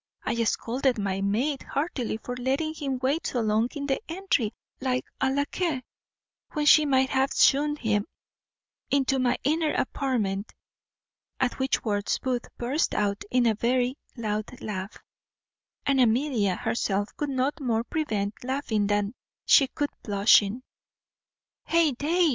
I scolded my maid heartily for letting him wait so long in the entry like a lacquais, when she might have shewn him into my inner apartment." At which words Booth burst out into a very loud laugh; and Amelia herself could no more prevent laughing than she could blushing. "Heyday!"